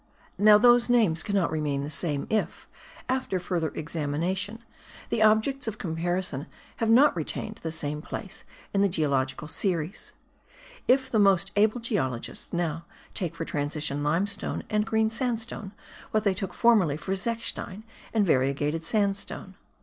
Now those names cannot remain the same if, after further examination, the objects of comparison have not retained the same place in the geologic series; if the most able geologists now take for transition limestone and green sandstone, what they took formerly for zechstein and variegated sandstone.